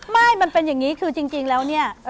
ไม่มันเป็นอย่างนี้คือจริงแล้วเนี่ย